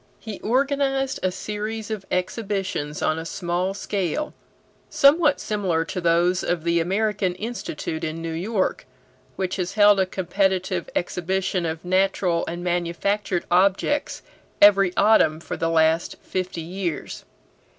He organized a series of exhibitions on a small scale, somewhat similar to those of the American Institute in New York, which has held a competitive exhibition of natural and manufactured objects every autumn for the last fifty years.